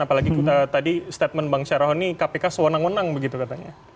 apalagi tadi statement bang syarahoni kpk sewenang wenang begitu katanya